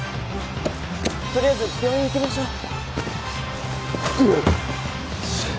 とりあえず病院行きましょう。